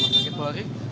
rumah sakit apa lagi